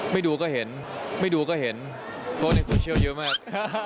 ไม่ดูก็เห็นไม่ดูก็เห็นโพสต์ในโซเชียลเยอะมาก